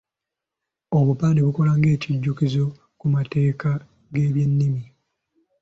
Obupande bukola ng’ekijjukizo ku mateeka g’ebyennimi.